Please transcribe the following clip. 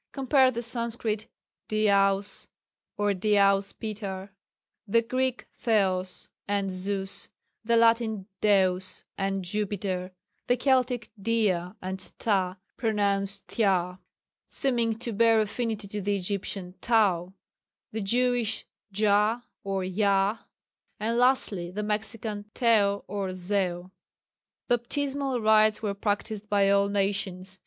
Compare the Sanscrit "Dyaus" or "Dyaus pitar," the Greek "Theos" and Zeus, the Latin "Deus" and "Jupiter," the Keltic "Dia" and "Ta," pronounced "Thyah" (seeming to bear affinity to the Egyptian Tau), the Jewish "Jah" or "Yah" and lastly the Mexican "Teo" or "Zeo." Baptismal rites were practised by all nations.